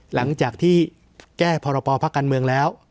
หลังจากที่แก้พรปภาคการเมืองแล้ว